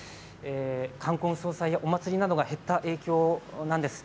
冠婚葬祭や、お祭りなども減った影響なんです。